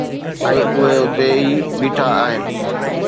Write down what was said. ۽ اهي اتي ئي بيٺا آهن.